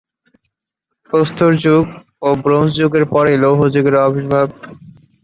প্রস্তর যুগ ও ব্রোঞ্জ যুগের পরে লৌহ যুগের আবির্ভাব।